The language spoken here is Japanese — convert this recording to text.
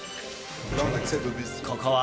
ここは。